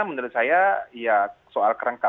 menurut saya ya soal kerangka